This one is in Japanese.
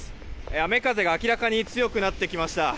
雨風が明らかに強くなってきました。